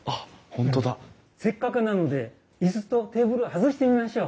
せっかくなので椅子とテーブル外してみましょう。